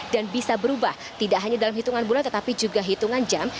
dan bisa berubah tidak hanya dalam hitungan bulan tetapi juga hitungan jam